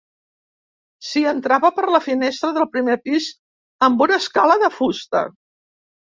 S'hi entrava per la finestra del primer pis amb una escala de fusta.